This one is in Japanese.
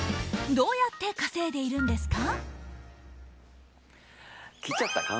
どうやって稼いでいるんですか？